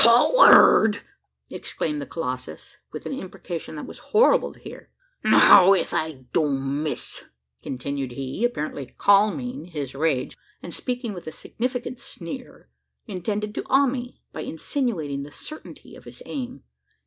"Coward!" exclaimed the colossus, with an imprecation that was horrible to hear. "An' how ef I don't miss?" continued he, apparently calming his rage, and speaking with a significant sneer intended to awe me, by insinuating the certainty of his aim.